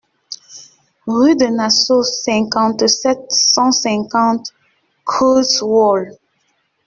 Rue de Nassau, cinquante-sept, cent cinquante Creutzwald